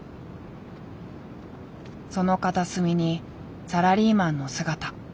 その片隅にサラリーマンの姿。